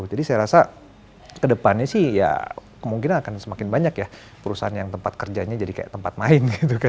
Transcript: jadi saya rasa kedepannya sih ya mungkin akan semakin banyak ya perusahaan yang tempat kerjanya jadi kayak tempat main gitu kan